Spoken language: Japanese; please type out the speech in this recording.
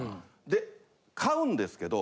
で買うんですけど